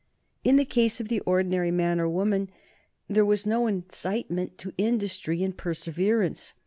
In the case of the ordinary man or woman there was no incitement to industry and perseverance.